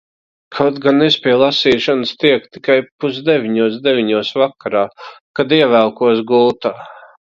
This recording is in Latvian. Kaut gan es pie lasīšanas tieku tikai pusdeviņos – deviņos vakarā, kad ievelkos gultā.